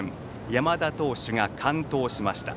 山田投手が完投しました。